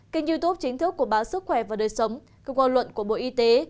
kênh youtube chính thức của báo sức khỏe và đời sống cơ quan luận của bộ y tế